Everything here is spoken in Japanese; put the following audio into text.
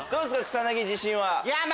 草薙自信は。